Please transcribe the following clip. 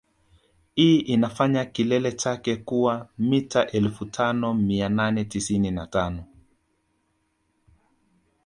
Hii inafanya kilele chake kuwa mita elfu tano mia nane tisini na tano